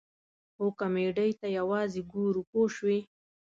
خو کمیډۍ ته یوازې ګورو پوه شوې!.